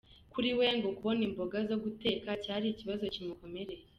Kuri we, ngo kubona imboga zo guteka cyari ikibazo kimukomereye.